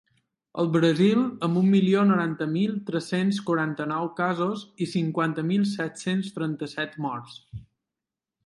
El Brasil, amb un milió noranta mil tres-cents quaranta-nou casos i cinquanta mil set-cents trenta-set morts.